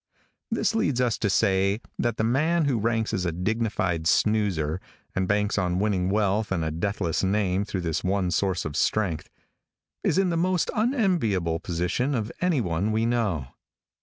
This leads us to say that the man who ranks as a dignified snoozer, and banks on winning wealth and a deathless name through this one source of strength, is in the most unenviable position of any one we know.